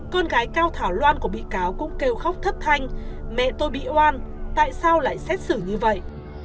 con gái cao thảo loan của bị cáo cũng kêu khóc thất thanh mẹ tôi bị oan tại sao lại xét xử như vậy